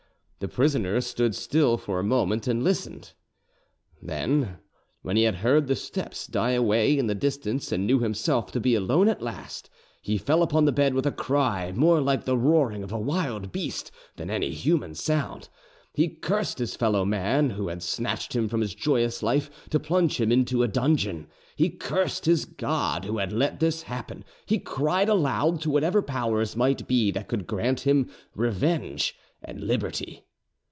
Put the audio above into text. The prisoner stood still for a moment and listened; then, when he had heard the steps die away in the distance and knew himself to be alone at last, he fell upon the bed with a cry more like the roaring of a wild beast than any human sound: he cursed his fellow man who had snatched him from his joyous life to plunge him into a dungeon; he cursed his God who had let this happen; he cried aloud to whatever powers might be that could grant him revenge and liberty.